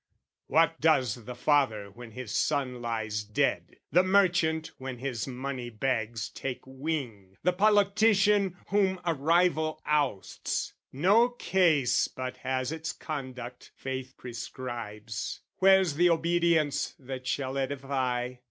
What does the father when his son lies dead, The merchant when his money bags take wing, The politician whom a rival ousts? No case but has its conduct, faith prescribes: Where's the obedience that shall edify?